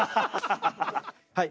はい。